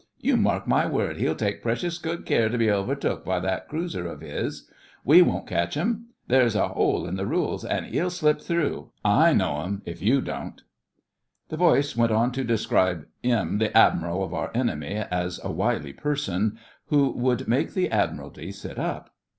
You mark my word, 'e'll take precious good care to be overtook by that cruiser of 'is. We won't catch 'im. There's an 'ole in the rules an' 'e'll slip through. I know 'im if you don't!' The voice went on to describe ''im,' the Admiral of our enemy—as a wily person, who would make the Admiralty sit up.